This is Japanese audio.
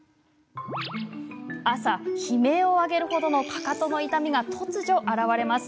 朝、悲鳴を上げるほどのかかとの痛みが突如あらわれます。